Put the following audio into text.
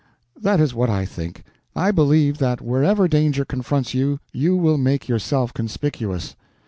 "That is what I think. I believe that wherever danger confronts you you will make yourself conspicuous."